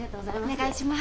お願いします。